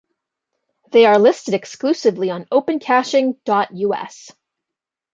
They are listed exclusively on opencaching.us.